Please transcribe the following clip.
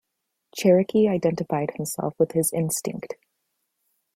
Cherokee identified himself with his instinct.